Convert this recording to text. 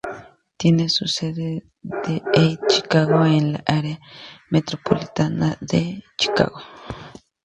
Tiene su sede en East Chicago, en el área metropolitana de Chicago.